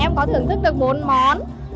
em có thưởng thức được bốn món